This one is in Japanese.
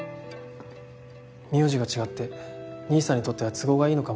名字が違って兄さんにとっては都合がいいのかもしれないね。